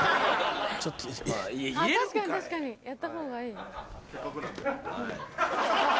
確かに確かにやった方がいい。